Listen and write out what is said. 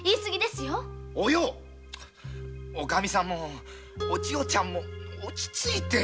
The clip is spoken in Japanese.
お葉おかみさんもおちよちゃんも落ち着いて！